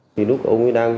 thì lúc ông ấy đang